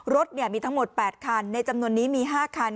รถมีทั้งหมด๘คันในจำนวนนี้มี๕คัน